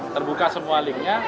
terbuka semua linknya